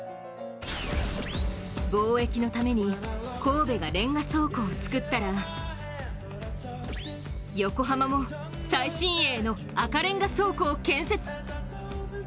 貿易のために神戸がレンガ倉庫を作ったら横浜も最新鋭の赤レンガ倉庫を建設。